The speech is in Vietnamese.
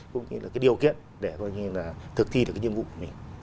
cũng như là cái điều kiện để coi như là thực thi được cái nhiệm vụ của mình